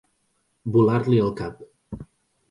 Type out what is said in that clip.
Volar-li el cap.